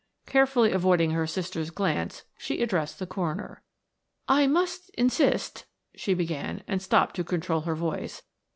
Carefully avoiding her sister's glance she addressed the coroner. "I must insist," she began and stopped to control her voice.